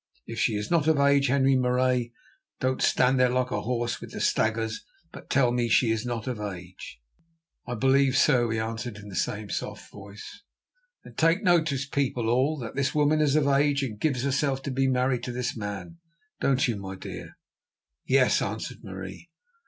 Is she not of age, Henri Marais? Don't stand there like a horse with the staggers, but tell me; is she not of age?" "I believe so," he answered in the same soft voice. "Then take notice, people all, that this woman is of age, and gives herself to be married to this man, don't you, my dear?" "Yes," answered Marie.